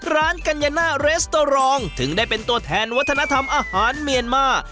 กัญญาน่าเรสเตอรองถึงได้เป็นตัวแทนวัฒนธรรมอาหารเมียนมา